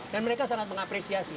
dan mereka sangat mengapresiasi